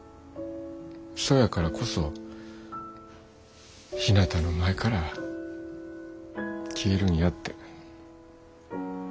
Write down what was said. そやからこそひなたの前から消えるんやって。